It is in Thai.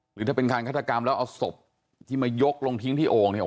หรือถ้าเป็นการฆาตกรรมแล้วเอาศพที่มายกลงทิ้งที่โอ่งเนี่ย